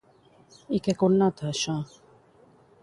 I què connota, això?